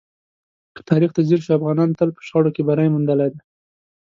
که تاریخ ته ځیر شو، افغانانو تل په شخړو کې بری موندلی دی.